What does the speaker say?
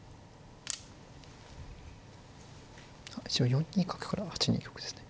４二角から８二玉ですね。